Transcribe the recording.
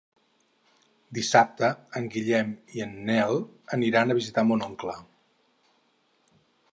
Dissabte en Guillem i en Nel aniran a visitar mon oncle.